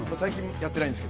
やってないです。